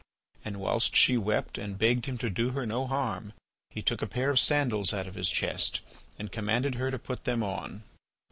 And whilst she wept and begged him to do her no harm, he took a pair of sandals out of his chest and commanded her to put them on.